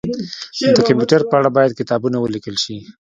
د کمپيوټر په اړه باید کتابونه ولیکل شي